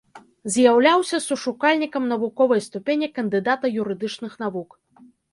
З'яўляўся сушукальнікам навуковай ступені кандыдата юрыдычных навук.